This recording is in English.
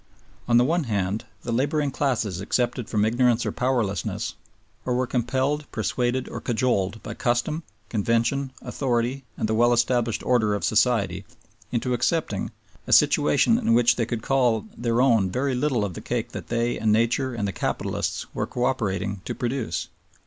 On the one hand the laboring classes accepted from ignorance or powerlessness, or were compelled, persuaded, or cajoled by custom, convention, authority, and the well established order of Society into accepting, a situation in which they could call their own very little of the cake that they and Nature and the capitalists were co operating to produce.